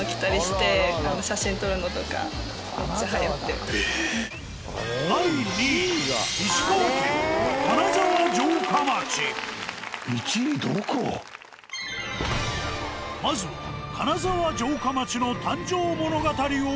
まずは金沢城下町の誕生物語を解説。